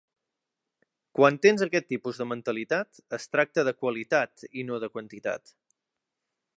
Quan tens aquest tipus de mentalitat, es tracta de qualitat i no de quantitat.